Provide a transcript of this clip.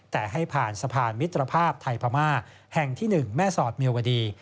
แต่ให้ผ่านสะพานมิตรภาพไทยพม่าแห่งที่๑แม่สอดเมียวดี